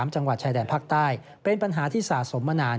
จังหวัดชายแดนภาคใต้เป็นปัญหาที่สะสมมานาน